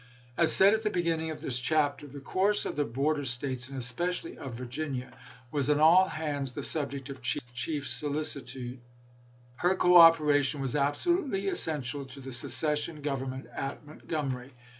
As said at the beginning of this chapter, the course of the border States, and especially of Vir ginia, was on all hands the subject of chief solici tude. Her cooperation was absolutely essential to the secession government at Montgomery.